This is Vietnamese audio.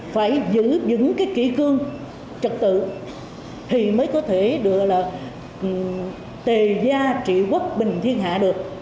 phải giữ những cái kỹ cương trật tự thì mới có thể được là tề gia trị quốc bình thiên hạ được